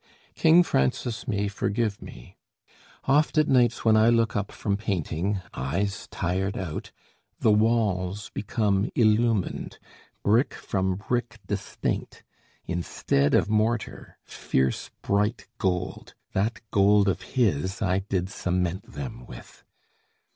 King Francis may forgive me: oft at nights When I look up from painting, eyes tired out, The walls become illumined, brick from brick Distinct, instead of mortar, fierce bright gold, That gold of his I did cement them with!